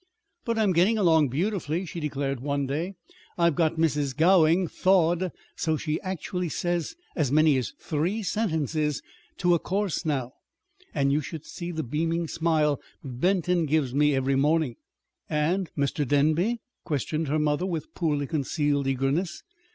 "But I'm getting along beautifully," she declared one day. "I've got Mrs. Gowing thawed so she actually says as many as three sentences to a course now. And you should see the beaming smile Benton gives me every morning!" "And Mr. Denby?" questioned her mother, with poorly concealed eagerness.